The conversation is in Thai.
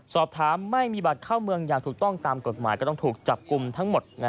สอบถามไม่มีบัตรเข้าเมืองอย่างถูกต้องตามกฎหมายก็ต้องถูกจับกลุ่มทั้งหมด